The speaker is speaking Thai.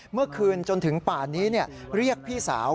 เมื่อคืนจนถึงป่านนี้เรียกพี่สาว